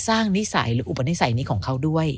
นิสัยหรืออุปนิสัยนี้ของเขาด้วย